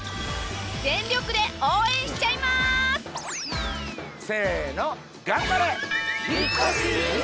全力で応援しちゃいます！せの！